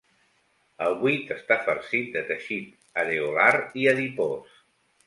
El buit està farcit de teixit areolar i adipós.